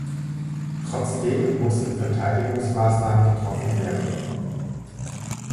Trotzdem mussten Verteidigungsmaßnahmen getroffen werden.